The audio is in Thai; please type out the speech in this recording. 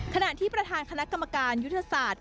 ขณะที่ประธานคณะกรรมการยุทธศาสตร์